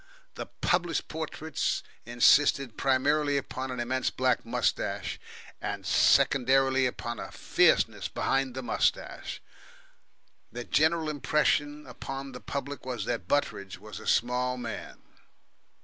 The published portraits insisted primarily upon an immense black moustache, and secondarily upon a fierceness behind the moustache. The general impression upon the public was that Butteridge, was a small man.